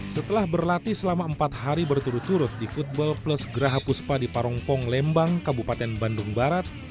setelah berlatih selama empat hari berturut turut di football plus geraha puspa di parongpong lembang kabupaten bandung barat